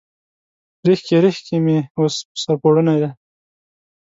ریښکۍ، ریښکۍ مې اوس، په سر پوړني دی